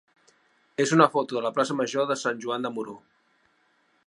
és una foto de la plaça major de Sant Joan de Moró.